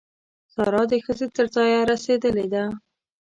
سارا د ښځې تر ځایه رسېدلې ده.